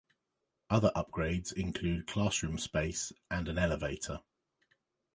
Other upgrades include classroom space and an elevator.